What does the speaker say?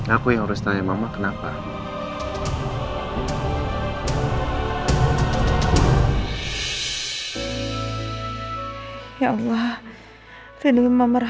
aku yang harus tanya mama kenapa